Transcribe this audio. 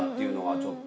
ちょっと！